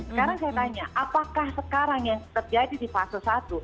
sekarang saya tanya apakah sekarang yang terjadi di fase satu